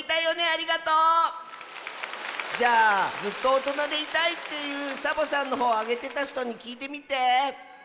ありがとう！じゃあずっとおとなでいたいっていうサボさんのほうをあげてたひとにきいてみて！